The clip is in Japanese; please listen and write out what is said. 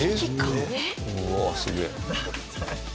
うわっすげえ。